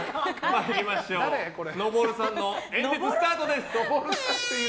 昇さんの演説スタートです。